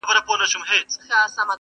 ما له ازله بې خبره کوچي-